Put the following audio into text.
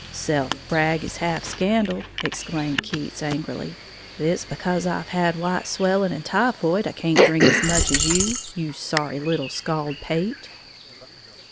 "Self brag is half scandal," exclaimed Keats, angrily; "it's because I've had white swelling and typhoid I can't drink as much as you, you sorry little scald pate!"